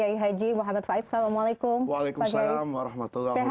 rehat bigih bagi kita ya